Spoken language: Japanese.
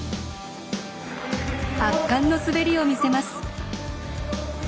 圧巻の滑りを見せます。